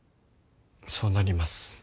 そうなります。